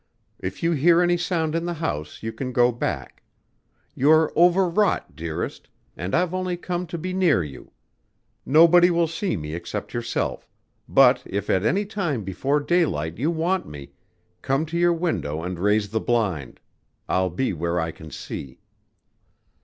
"If you hear any sound in the house you can go back. You're overwrought, dearest, and I've only come to be near you. Nobody will see me except yourself, but if at any time before daylight you want me, come to your window and raise the blind. I'll be where I can see."